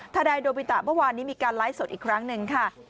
ทนายโดบิตะเมื่อวานนี้มีการไลฟ์สดอีกครั้งหนึ่งค่ะ